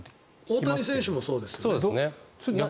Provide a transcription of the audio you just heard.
大谷選手もそうですよね。